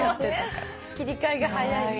切り替えが早い。